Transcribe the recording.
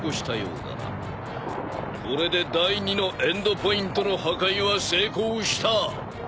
これで第二のエンドポイントの破壊は成功した。